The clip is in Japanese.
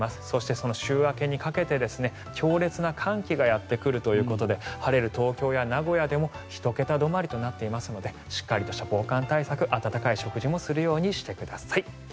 そしてその週明けにかけて強烈な寒気がやってくるということで晴れる東京や名古屋でも１桁止まりとなっていますのでしっかりとした防寒対策温かい食事もするようにしてください。